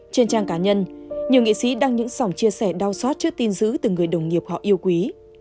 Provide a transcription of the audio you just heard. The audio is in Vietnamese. trên trang cá nhân nhiều nghị sĩ đăng những sòng chia sẻ đau xót trước tin giữ từ người đồng nghiệp họ yêu quý